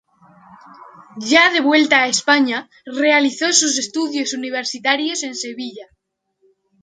Ya de vuelta a España realizó sus estudios universitarios en Sevilla.